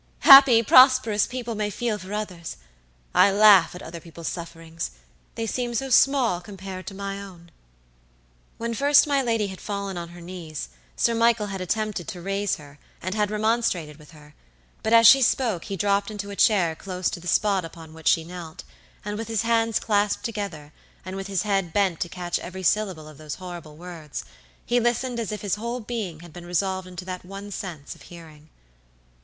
Happy, prosperous people may feel for others. I laugh at other people's sufferings; they seem so small compared to my own." When first my lady had fallen on her knees, Sir Michael had attempted to raise her, and had remonstrated with her; but as she spoke he dropped into a chair close to the spot upon which she knelt, and with his hands clasped together, and with his head bent to catch every syllable of those horrible words, he listened as if his whole being had been resolved into that one sense of hearing.